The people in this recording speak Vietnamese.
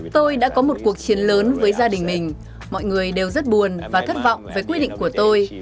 tôi đã có một cuộc chiến lớn với gia đình mình mọi người đều rất buồn và thất vọng với quyết định của tôi